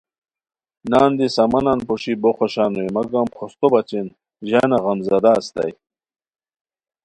نان دی سامانن پوشی بو خوشان ہوئے مگم پھوستو بچین ژانہ غمزدہ استائے